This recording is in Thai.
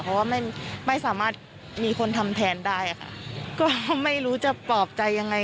เพราะว่าไม่ไม่สามารถมีคนทำแทนได้ค่ะก็ไม่รู้จะปลอบใจยังไง